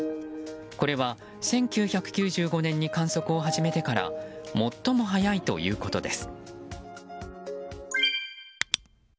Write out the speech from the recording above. これは１９９５年に観測を始めてから最も早いということです。